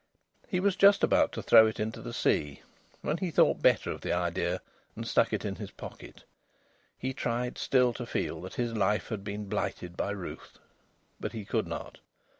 He was just about to throw it into the sea, when he thought better of the idea, and stuck it in his pocket. He tried still to feel that his life had been blighted by Ruth. But he could not.